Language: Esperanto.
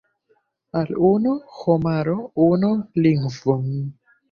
Al unu homaro unu lingvon.